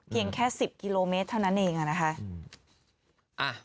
เกี่ยงแค่๑๐กิโลเมตรเท่านั้นเองอะนะคะ